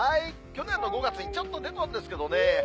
去年の５月にちょっと出たんですけどね